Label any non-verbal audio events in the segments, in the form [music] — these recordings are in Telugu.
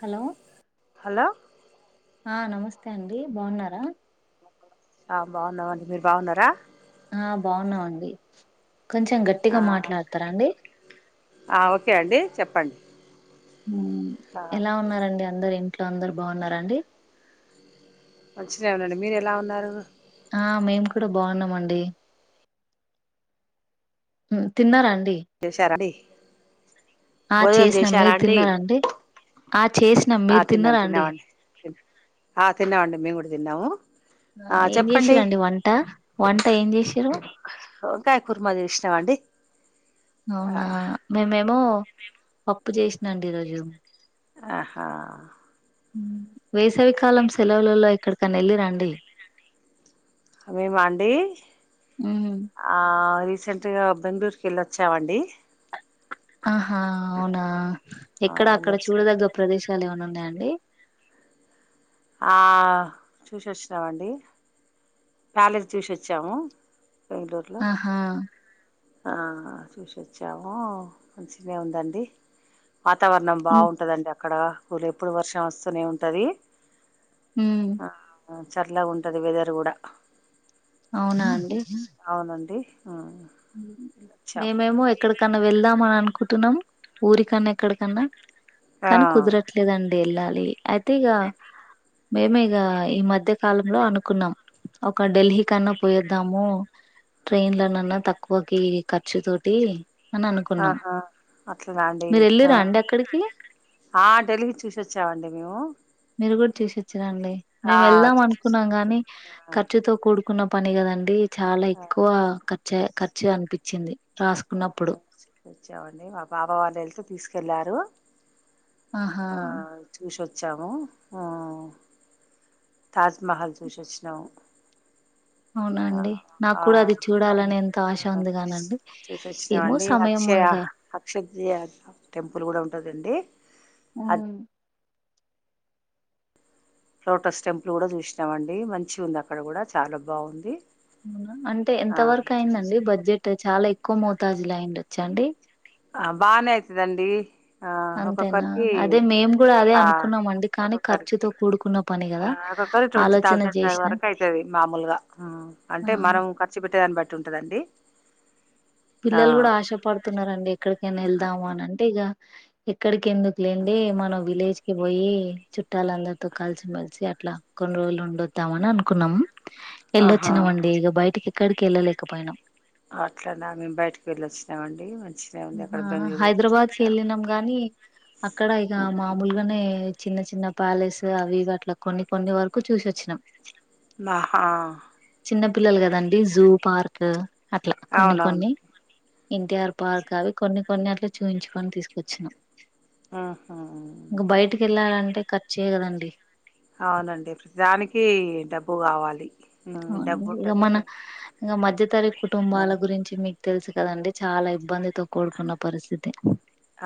హలో హలొ ఆ నమస్తే అండి బావున్నారా అ బావున్నామండి మీర్ బావున్నరా ఆ బావున్నావండి కొంచెం గట్ ఆ అ ఓకే అండి చెప్పండ్ ఉహ్మ్ ఎలా ఉన్నారండి అందరింట్లో అందరు బావున్నారండి మంచినే ఉండండి మీర్ ఎలా ఉన్నారు ఆ మేమ్ కూడా బావున్నామండి ఉం తిన్నారా అండి లేషా రడీ ఆ భోజనం చేసినాం చేశారా మీరు అండి తిన్నారా ఆ చేసినాం ఆ మీరు తిన్నాం తిన్నారా అండి తిన్నామండ్ ఆ తిన్నావండి మేమ్ గూడ్ తిన్నావు ఆ ఏం జేషిరండి వంట వంట ఏం జేషిర్రు ఒంకాయ్ కుర్మ జేష్ణమండి అవునా మేమేమో పప్పు చేసినండి ఈరోజు అ హా ఉం వేసవికాలం సెలవుల్లల్లో ఎక్కడికన్ ఏళ్ళి రాండి మేమాండి మ్మ్. ఆ రీసెంటు గా బెంగళూరుకెళ్ళోచ్చావండి అహా అవునా ఆ ఎక్కడ అక్కడ వెళ్ళొచ్చాము చూడదగ్గ ప్రదేశాల్ ఏమన్ ఉన్నాయాండి ఆ చూసిచ్చినావండి ప్యాలెజ్ చూసోచ్చాము [unintelligible] హా ఆ చూసోచ్చాము మంచినే ఉందండి వాతావరణం ఉ బావుంటదండక్కడ ఊళ్ళ ఎప్పుడు వర్షం వస్తూనే ఉంటది ఉమ్ ఆ చల్ల ఉంటది వెదర్ గూడా అవునా అండి అవునండి హ్మ్మ్ ఉహు మేమేమో ఎక్కడికన్ వెళ్దామా అనుకుటున్నాం ఊరికన్నా ఎక్కడికన్నా ఆ కానీ కుదర ట్లేదండి ఎళ్ళాలి అయితీగా మేమ్ ఇగా ఈ మధ్య కాలంలో అనుకున్నాం ఒక డెల్హి కన్నా పోయేద్దాము ట్రైన్లనన్నా తక్ కోకి ఖర్చు తోటి అని అనుకున్నాం ఆహా అట్లనా అండి మీరు ఆ వెళ్ళిరా అండి అక్కడికి ఆ ఢిల్లీకి చూసోచ్చామండీ మేము మీరు కూడా చూసోచ్చరండి మేము ఆ వెళ్దాం అనుకున్నాం చూసొచ్చామండి గాని ఆ ఖర్చుతో కూడుకు కున్న పని కదండి చాలా ఎక్కువ ఖర్చ ఖర్చు అనిపించింది అహ రాసుకున్నప్పుడు వచ్చావండి మా బావ వాళ్ళు వెళ్తే తీసుకెళ్ళారు ఆహా చూసోచ్చాము హ్మ్మ్ తాజ్మహల్ చూసి వచ్చినాము అవునండి నాకు ఆ కూడా అది చూడాలని ఎంతో ఆశ ఉంది కానండి చూసోచినామ్ అక్షయ అక్ష టెంపుల్ కూడా ఉంటదండి అది ఉమ్, లోటస్ టెంపుల్ కూడా చూసినామండి మంచి ఉంది అక్కడ కూడా చాలా బాగుంది అవునా అంటే ఎంత ఆ వరకు అయిందండి చూసొచ్చాం. బడ్జెట్ చాలా ఎక్కువ మోతాదులో అయ్యుండొచ్చా అండి ఆ బానే అయితదండి ఆ అంతేనా ఒక్కొక్కరికి అదే మేము కూడా అదే ఆ అనుకున్నామండి కానీ ఖర్చుతో కూడుకున్న పని ఆ కదా ఒక్కొక్కరు ట్వంటీ ఆలోచన థౌజండ్ చేసిన వరకు అయితది మామూలుగా అంటే ఆ మరమ్ ఖర్చు పెట్టే దాన్ని బట్టి ఉంటదండి ఆ పిల్లలు కూడా ఆశ పడుతున్నారండి ఎక్కడికైనా వెళ్దామ అని అంటే ఇగ ఎక్కడికి ఎందుకు లేండి మన విలేజ్ కి పోయి చుట్టాలందరితో కలిసి మెలసి అట్లా కొన్ని రోజులు ఉండోద్దాము అని అనుకున్నాము ఆహా ఎళ్ళొచ్చినామండి ఇగ బయటికి ఎక్కడికి వెళ్ళలేకపోయినాం అట్లనా మేము బయటకి వెళ్ళొచ్చినాం అండి మంచి హైదరాబాద్ కి వెళ్ళినాం గాని అక్కడ ఇగ మామూలుగా నే చిన్న చిన్న ప్యాలెస్ అవి ఇవి అట్ల కొన్ని కొన్ని వరకు చూసి వచ్చినాం నాహా చిన్న పిల్లలు కదండి జూ పార్క్ అట్ల కొన్ని అవునవును కొన్ని ఎన్టీఆర్ పార్క్ అవి కొన్ని కొన్ని అట్ల చూయించుకొని తీసుకొచ్చిన అహ వెళ్లాలంటే ఖర్చే కదండి అవునండి ప్రానికి డబ్బు కావాలి ఉమ్, డబ్బు అవునండి ఇగ ఉంటేనే మన ఇగ మధ్యతరగతి ఆ కుటుంబాల గురించి మీ తెలుసు కదండి చాలా ఇబ్బందితో కూడుకున్న పరిస్థితి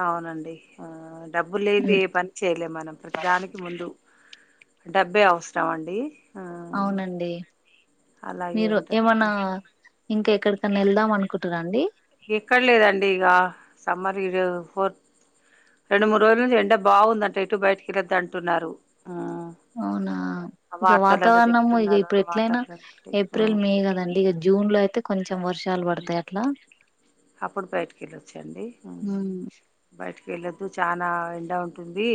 అవునండి ఆ డబ్బు లేంది ఉం, ఏ పని చేయలేమ్ మనం ప్రతిదానికి ముందు డబ్బే అవసరం అండి ఆ అవునండి అలాగే ఉంటద్ డి ఇంక ఎక్కడికన్నా వెళ్దాం అనుకుటురా అండి ఎక్కడ లేదండి ఇగ సమ్మర్ ఇరో ఫోర్ రెండు మూడు రోజుల నుంచి ఎండ బాగుందంట ఎటు బయటకెళ్ళొద్దు అంటున్నారు ఊ అవునా ఇగ వాతావరణము ఇగ చెప్తున్నారు ఇప్పుడు ఆ ఎట్లయినా వాతావరణం బట్టి ఏప్రిల్ ఆ. మే కదండి ఇగ జూన్ లో అయితే కొంచెం వర్షాలు పడతాయి అట్లా అప్పుడు బయటకెళ్లొచ్చండి ఆ ఉమ్. బయటి వెళ్ళొద్దు చానా ఎండ ఉంటుంది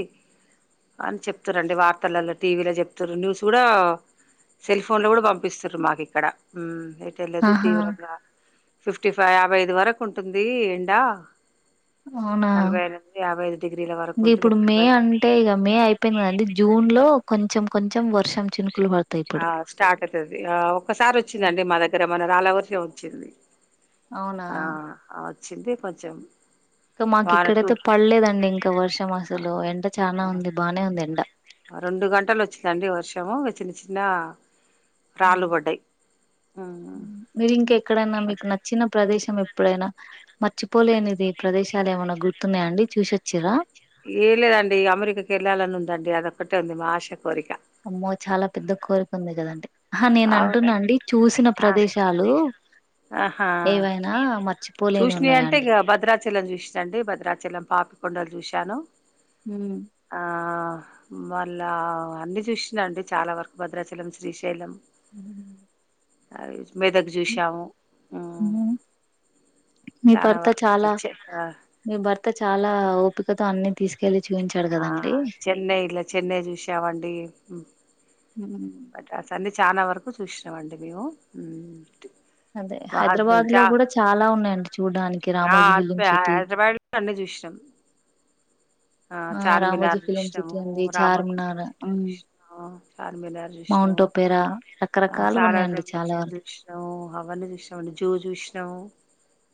అని చెప్తురండి వార్తలలో టీవీలో చెప్తుర్రు న్యూస్ కూడా సెల్ ఫోన్ లో కూడా పంపిస్తురు మాకు ఇక్కడ తెలేదు ఆహా తీవ్రంగా ఫిఫ్టీ ఫైవ్ యాభై ఐదు వరకు ఉంటుంది ఎండా అవునా యాభై ఐదు డిగ్రీల ఇంక వరకుంటది ఇప్పుడు ఎక్కడ మే బయటికీ అంటే ఇక మే అయిపోయింది కదండి జూన్ లో కొంచెం కొంచెం వర్షం చినుకులు పడుత ఆ స్టార్ట్ అయితది ఆ ఒక్కసారి ఉమ్. వచ్చిందండి మా దగ్గర మన రాల వర్షం వచ్చింది అవునా ఆ వచ్చింది కొంచెం వాన టూ మాకిక్కడైతే పడ్లేదండి ఇంకా వర్షం అసలు ఎండ చానా ఆ ఉంది బానే ఉంది ఎండ రెండు గంటలు వచ్చిందండి వర్షం చిన్న చిన్న రాళ్లు పడ్డయ్ అ చిన్న ప్రదేశం ఎప్పుడైనా మర్చిపోలేనిది ప్రదేశాలు ఏమైన్నా గుర్తున్నాయాండి చూసోచిండ్ర ఏ లేదండి అమెరికాకెళ్ళాలని ఉందండి అదొక్కటే ఉంది మా ఆశ కోరిక అమ్మో చాలా పెద్ద కోరిక ఉంది కద హా నేనంటున్నా అవునండి అండి చూసిన ఆ ప్రదేశాలు ఆహా ఏవైనా ఏమైనా మర్చిపోలేని చూసినయ్ ఉన్నాయా అంటే అండి ఇక భద్రా చలం చూస్నండి భద్రాచలం పాపికొండలు చూశాను ఉమ్ ఆ మళ్ళా అన్ని చూస్నాండి చాలా వరకు భద్రాచలం శ్రీశైల్ హ అదిక్ మెదక్ చూసాము హ్మ్ ఉమ్ మీ చానాా భర్త వరకు చాలా [unintelligible] మీ భర్త చాలా ఓపికతో అన్ని తీసుకెళ్ళి చూపించాడు ఆ చెన్నైల చెన్నై చూసా మండి [inaudible] అట్టా సన్ని చాలా వరకు చూస్నమండి మేము హ్మ్ అదే హైదరాబాద్ లో కూడా చాలా ఉన్నాయండి చూడ్డానికి రామోజీ ఫిలింసిటీ అ హైదరాబాద్ లో అన్ని చూసినాం ఆ చార్మినార్ సిటీ చూశ్నము ఉంది రామోజి చార్మినార్ ఫిల్మ్సిటీ చూస్నము చార్మినార్ మౌంట్ జూష్ణము ఒపేరా అ రకరకాలుగా ఉన్నాయండి సలార్జమ్ చాలా మ్యూజియం వరకు చుశ్ణమ్ నమ్ అవన్నీ జూష్నమండి జూ జూష్ణం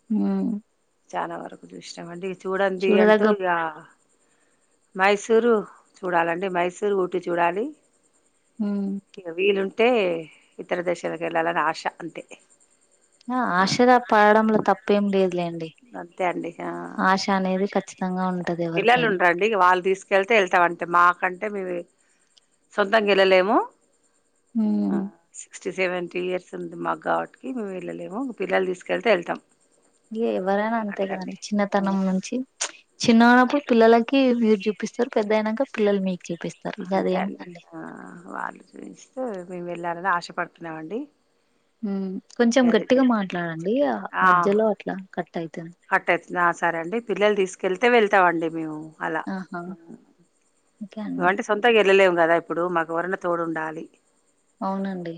[inaudible] చానా వరకు జూష్ణమండి చూడంది అంటూ చూడదగ్గ ఇగ మైసూరు చూడాలండి మైసూరు ఊటి చూడాలి హ్మ్ ఇగ వీలుంటే ఇతర దేశాలకు వెళ్ళాలని ఆశ అంతే అ ఆ ఆశల పడడంలో తప్పేం లేదులేండి అంతే అండి ఆ ఆశ అనేది ఖచ్చిత్ తంగా ఉంటది ఎవరికైనా డి వాళ్ళు తీసుకెళ్తే వెళ్తా మన్తే మాకంటే మేమి సొంతం ఎల్లలేము ఆ ఉమ్ క్స్ సెవెంటీ ఇయర్స్ ఉంది మాగ్ గావట్టికి మేము వెళ్ళలేము పిల్లలు తీసుకెళ్తే ఎళ్తమ్ ఇ ఎవరైనా అంతే కదండి చిన్నతనం నుంచి చిన్నగున్నప్పుడు అట్లా పిల్లలకి మీరు చూపిస్తారు పెద్ద అయినాక పిల్లలు మీక్ అంతే అండి ఆ వాళ్ళు చూయిస్తే మేము వెళ్ళాలని ఆశపడుతున్నామండి హ్మ్ కొంచెం అదే గట్టిగా మాట్లాడండి ఆ మధ్యలో అట్లా కట్ అయిత్ అట్ట అయితుందా సరే అండి పిల్లలు తీసుకెళ్తే వెళ్తామండి మేము అలా ఆహా ఓకే హ్మ్ అండి అంటే స్క్ సొంతంగా వెళ్ళలేము కదా ఇప్పుడు మాకు ఎవరన తోడుండాలి అవునండి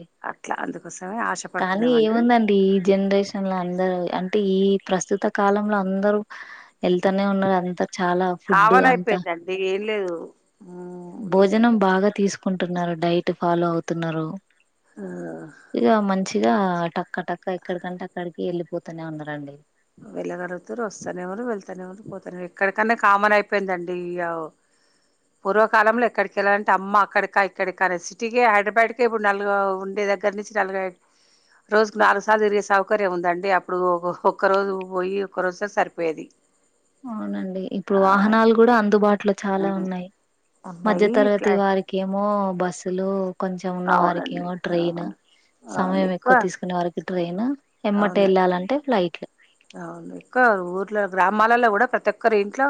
అందుకోసమే కానీ ఆశపడుతున్నామండి ఏముందండి ఈ జనరేషన్ లో అందరుూ అంటే ఈ ప్రస్తుత కాలంలో అందరూ వెళ్తానే ఉన్నారు అంతా చాలా ఫుడ్ కామన్ అంతా అయిపోయిందండి ఏం లేదు భోజనం రీసెంట్ బాగా తీస్కుంటున్నారు డైట్ ఫాలో అవుతున్నారు ఆ ఇక మంచిగా టక్క టక్క ఎక్కడికంట అక్కడికి వెళ్ళిపోతూనే ఉండారండి వెళ్గగుతురు వస్తానే ఎవరు వెళ్తానే ఎవరు పోతను ఎక్కడికన్నా కామన్ అయిపోయిందండి ఈయో పూర్వకాలంలో ఎక్కడికేళ్ళాలంటే అమ్మ అక్కడికా ఇక్కకా సిటీకి హైదరాబాద్కి ఇప్పుడు నలుగు ఉండే దగ్గర నుంచి నల్గ రోజుకు నాలుగు సార్లు తిరిగే సౌకర్యం ఉందండి అప్పుడు ఒక్క రోజు పోయి ఒక రోజు సరిపోయేది అవునండి ఇప్పుడు ఆ వాహనాలు కూడా అందుబాటులో చాలా ఉన్నాయి మధ్య ఉన్నాయి తరగతి ఫ్లై వారికి కేమో బస్సులు కొంచెం ఉన్న వారికి అవునండి ఏమో ఆ ట్రైన్ సమయం ఎక్కువ తీసుకునే వారికి ట్రైన్ ఎమ్మటే అవునండి వెళ్ళాలంటే ఫ్లైట్ అవును ఎక్కువ ఊర్లో గ్రామాలలో కూడా ప్రతి ఒక్కరి ఇంట్లో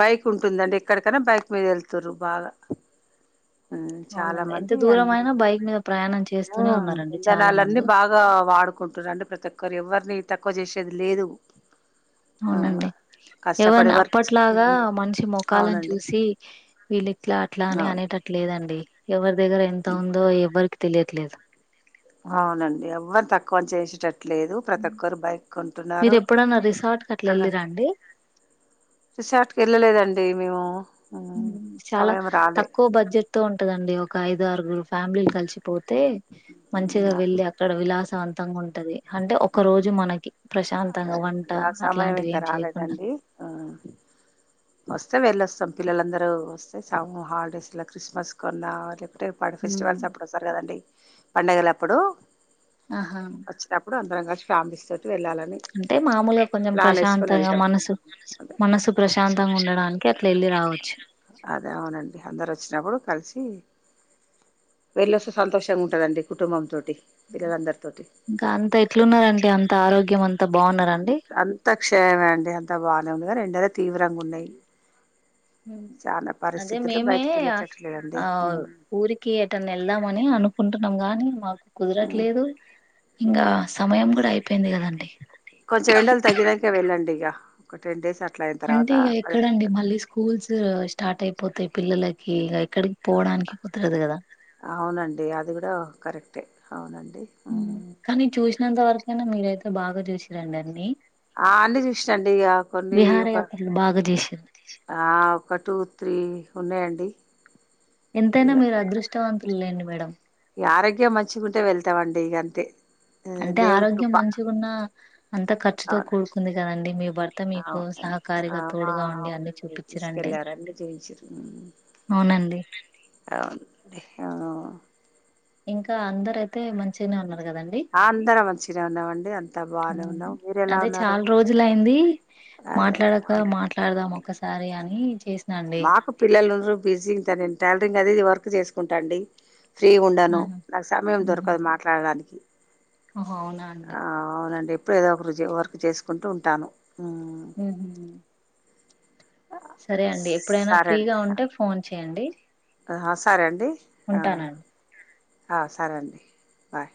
బైక్ ఉంటుందండి ఎక్కడికైన్నా బైక్ మీద వెళ్తారు బాగా చాలా అవునండి ఎంత మంది దూరం అని అయినా బైక్ మీద ప్రయాణం చేస్తూనే ఉన్నారండి చాలా ఇంధనాలన్నీ మంది బాగా వాడుకు కుంటున్నారండి ప్రతి ఒక్కరు ఎవర్ని తక్కువ చేసేది లేదు ఆ అవునండి కష్టపడి ఎవార్ని వర్క్ చే అప్పట్లాగా హ్మ్. మనిషి మొఖాలను అవునండి చూసి వీళ్ళిట్లా అట్లా అని అవును అనేటట్లేదండి ఎవరి దగ్గర ఎంత ఇప్పుడు ఉందో ఎవ్వరికి తెలియట్లేదు అవునండి ఎవ్వరు తక్కువ అని చేసేటట్లేదు ప్రతి ఒక్కరు బైక్ మీరు ఎప్పుడన్నా రిసార్ట్ కి అట్లా కొంటున్నారుక్క వెళ్ళిరా అండి రిషాట్కి వెళ్ళలేదండి మేము చాలా సమయం రాలే తక్కువ బడ్జెట్ ఉంటదండి ఒక ఐదు ఆరుగురు ఫ్యామిలీలు కలిసిపోతే మంచిగా వెళ్ళి అ ఇక్కడ విలాసవంతంగా ఉంటది అంటే ఒక రోజు మనకి ప్రశాంతంగా వంట ఆ సమయం అట్లాంటివి ఇంకా ఏం చేయకుండా రాలేదండి ఆ వస్తే వెళ్ళొస్తాం పిల్లలందరూ వస్తే హాలిడేస్లా క్రిస్మస్ కొన్నా రేప్ అడ్ మ్మ్. ఫెస్టివల్స్ అప్పుడు వస్తారు కదండి పండగలు అప్పుడు ఆహా వచ్చినప్పుడు అందరం కాలిసి ఫ్యామిలీస్తోటి వెళ్ళాలని అంటే మామూలుగా కొంచెం ప్లాన్ వేసుకొని ప్రశాంతంగా వెళ్తాం మనసు అదే మనసు ప్రశాంతంగా ఉండడానికి అట్లా ఎల్లి రావచ్చు అదే అవునండి అందరు వచ్చినప్పుడు కల్సి వెళ్ళొస్తే సంతోషంగా ఉంటదండి కుటుంబంతోటి పిల్లలందరితోటి ఇంకా అంత ఎట్లున్నాదంటే అంత ఆరోగ్యం అంత అంత క్షమే అండి అంత బాగానే ఉండందిగాని ఎండాలే తీవ్రంగా ఉన్నాయి హ్మ్ చాలా అదే పరిస్థితులు మేమే బయటికి వెళ్ళేటట్లేదండి ఆ ఊరికి ఎటన్న ఎళ్దామని అనుకుంటున్నాం గాని మాకు కుదరట్లేదు ఇంకా సమయం కూడా అయిపోయింది కదండి ఇక వెళ్ళండి ఇక ఒక టెన్ డేస్ అట్లా అయిన తర్వాత అంటే ఇక పది ఎక్కడండి రోజులు మళ్ళీ స్కూల్స్ స్టార్ట్ అయిపోతాయి పిల్లలకి ఇగా ఎక్కడికి పోవడానికి కుదరదు కదా అవునండి అది కూడా కరెక్టే అవునండి కానీ చూసినంత వరకైనా మీరయితే బాగా చూసిరండి అన్ని ఆ అన్నీ చూసాండి ఇక కొన్ని ఒక విహారయాత్రలు బాగా చేసిరు ఆ ఒక టూ త్రీ ఉన్నాయండి, ఎంతైనా ఇక మీరు అదృష్టవంతులు లేండి మేడం ఈ ఆరోగ్యం మంచిగా ఉంటే వెళ్తామండి ఇగా అంతే ఆ, అంటే దేవుడి ఆరోగ్యం కృప మంచిగా ఉన్నా అంత ఖర్చుతో అవును కూడుకుంది కదండి మీ భర్త భర్త మీకు అవునండి ఆ, సహకారిగా మా- తోడుగా ఉండి అన్ని అవునండి చూపించిరంటే, తీసుకెళ్ళారండి చూయించిరు అవునండి అవునండి ఆ ఇంకా అందరు అయితే మంచిగానే ఉన్నారు కదండి ఆ అందరం మంచిగనే ఉన్నామండి అంతా బానే ఉన్నాం ది మీరు ఎలా అదే ఉన్నారు చాలా రోజులు అయింది, అదే మాట్లాడక అవునండి మాట్లాడదాం ఒక్కసారి అని చేస్త మాకు పిల్లలుండ్రు బిజింగ్ టైలరింగ్ అది వర్క్ చేసుకుంటండి ఫ్రీగా ఉండాను ఆహా! నాకు సమయం హుహు. దొరకదు మాట్లాడడానికి, ఓహో అవునా అండి ఆ అవునండి ఎప్పుడు ఏదో ఒకరి వర్క్ చేసుకుంటూ ఉంటాను ఉహు సరే అండి ఎప్పుడైనా ఫ్రీగా ఉంటే ఫోన్ చేయండి ఆహా సరే అండి ఉంటానండి. ఆ సరే అండి బాయ్